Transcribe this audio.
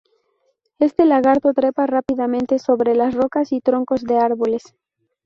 Este lagarto trepa rápidamente sobre las rocas y troncos de árboles.